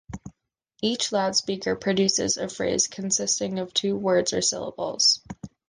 Each loudspeaker produces a phrase consisting of two words or syllables.